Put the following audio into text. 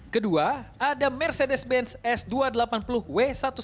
kedua ada mercedes benz s dua ratus delapan puluh w satu ratus sepuluh